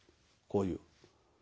こういう。